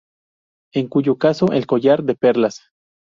En cuyo caso el collar de perlas.